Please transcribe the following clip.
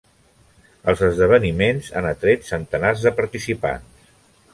Els esdeveniments han atret centenars de participants.